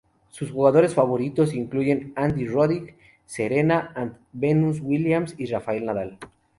Sus jugadores favoritos incluyen Andy Roddick, Serena and Venus Williams, y Rafael Nadal.